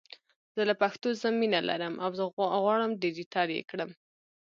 زه له پښتو زه مینه لرم او غواړم ډېجیټل یې کړم!